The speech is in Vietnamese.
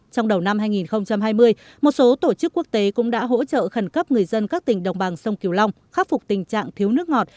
trong đầu năm hai nghìn hai mươi một số tổ chức quốc tế cũng đã hỗ trợ khẩn cấp người dân các tỉnh đồng bằng sông kiều long khắc phục tình trạng thiếu nước ngọt